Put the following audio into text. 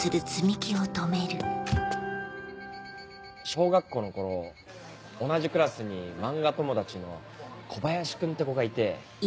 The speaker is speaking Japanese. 小学校の頃同じクラスに漫画友達の小林君って子がいて。